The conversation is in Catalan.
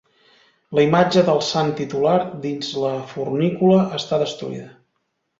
La imatge del sant titular, dins la fornícula, està destruïda.